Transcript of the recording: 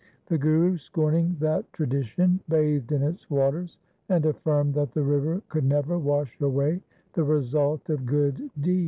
The Guru scorning that tradi tion bathed in its waters, and affirmed that the river could never wash away the result of good deeds.